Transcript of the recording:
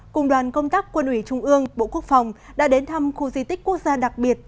cùng đoàn công tác quân ủy trung ương bộ quốc phòng đã đến thăm khu di tích quốc gia đặc biệt